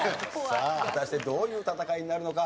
さあ果たしてどういう戦いになるのか？